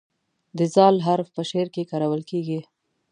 د "ذ" حرف په شعر کې کارول کیږي.